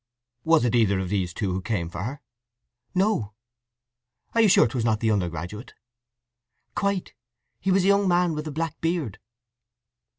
"Was it either of these two who came for her?" "No." "You are sure 'twas not the undergraduate?" "Quite. He was a young man with a black beard."